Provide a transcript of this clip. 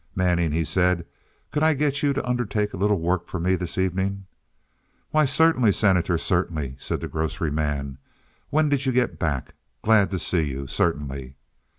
"Manning," he said, "could I get you to undertake a little work for me this evening?" "Why, certainly, Senator, certainly," said the grocery man. "When did you get back? Glad to see you. Certainly."